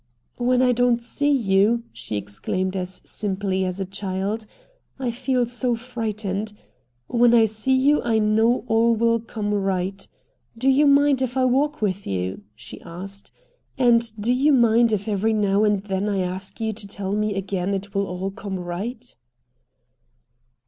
"When I don't see you," she exclaimed as simply as a child, "I feel so frightened. When I see you I know all will come right. Do you mind if I walk with you?" she asked. "And do you mind if every now and then I ask you to tell me again it will all come right?"